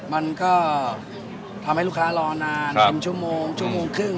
มันก็ทำให้ลูกค้ารอนานทํครึ่ง